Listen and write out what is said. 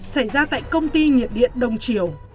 xảy ra tại công ty nhiệt điện đông triều